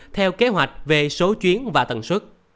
theo kế hoạch về số chuyến và tầng xuất